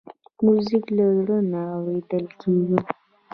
موزیک له زړه نه اورېدل کېږي.